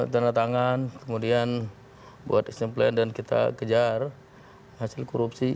dana tangan kemudian buat exemplen dan kita kejar hasil korupsi